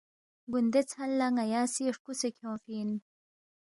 گُوندے ژھن لہ ن٘یا سی ہرکُوسے کھیونگفی اِن